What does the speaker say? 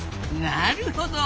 なるほど！